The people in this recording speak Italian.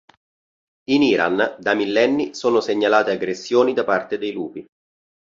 In Iran, da millenni sono segnalate aggressioni da parte dei lupi.